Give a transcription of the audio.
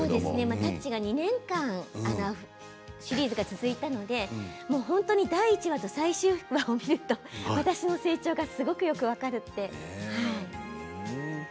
「タッチ」は２年間シリーズが続いたので第１話と最終話を見ると私の成長がすごくよく分かるって。